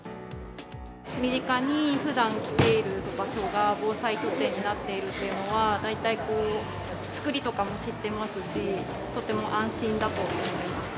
身近に、ふだん来ている場所が防災拠点になっているというのは、大体、作りとかも知ってますし、とても安心だと思います。